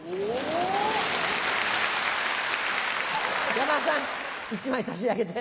山田さん１枚差し上げて。